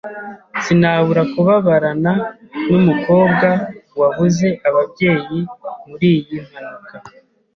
Sinabura kubabarana numukobwa wabuze ababyeyi muriyi mpanuka.